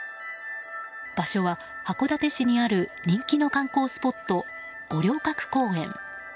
場所は函館市にある人気の観光スポット、五稜郭公園。